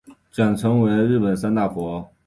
简称为日本三大佛。